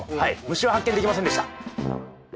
虫は発見できませんでした。